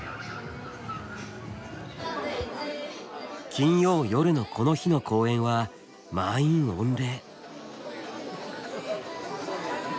金曜夜のこの日の公演は満員御礼。